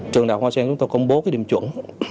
trường đào hoa sen chúng tôi công bố điểm chuẩn